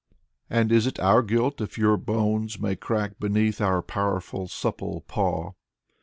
And is it our guilt if your bones May crack beneath our powerful supple paw?